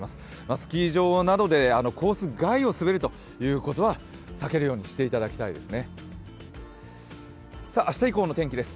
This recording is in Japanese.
スキー場などでコース外を滑るということは避けるようにしていただきたいですね。